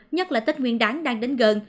nhất là tết nguyên đáng đang đến gần